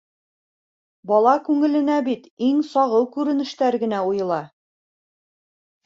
Бала күңеленә бит иң сағыу күренештәр генә уйыла.